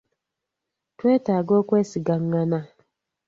Twetaaga okwesigangana.